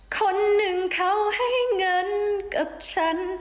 คนหนึ่งเขาให้เงินกับฉัน